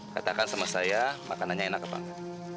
katakan sama saya makanannya enak banget